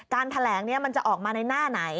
แถลงนี้มันจะออกมาในหน้าไหน